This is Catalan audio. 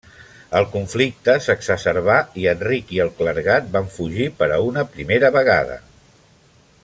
El conflicte s'exacerbà i Enric i el clergat van fugir per a una primera vegada.